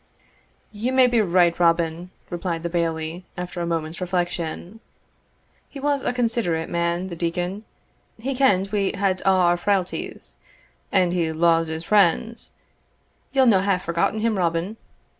"Ye may be right, Robin," replied the Bailie, after a moment's reflection; "he was a considerate man the deacon; he ken'd we had a' our frailties, and he lo'ed his friends Ye'll no hae forgotten him, Robin?"